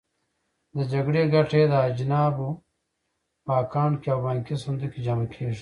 د جګړې ګټه یې د اجانبو په اکاونټ او بانکي صندوق کې جمع کېږي.